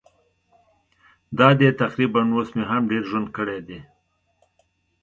دا دی تقریباً اوس مې هم ډېر ژوند کړی دی.